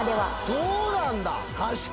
そうなんだ。